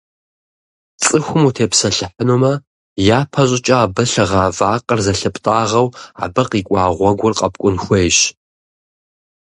Цӏыхум утепсэлъыхьынумэ, япэ щӏыкӏэ абы лъыгъа вакъэр зылъыптӏагъэу, абы къикӏуа гъуэгур къэпкӏун хуейщ.